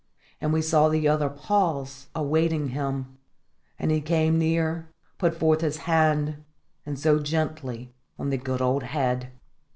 And we saw the other pause, awaiting him; and, as he came near, put forth his hand, and so, gently, on the good old head.